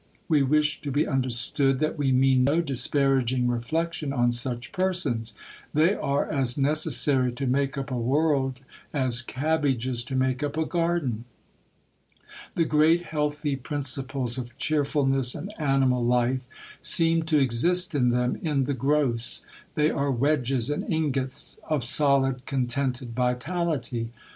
We wish to be understood that we mean no disparaging reflection on such persons;—they are as necessary to make up a world as cabbages to make up a garden; the great healthy principles of cheerfulness and animal life seem to exist in them in the gross; they are wedges and ingots of solid, contented vitality.